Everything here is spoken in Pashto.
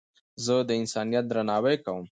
زه د انسانیت درناوی کوم.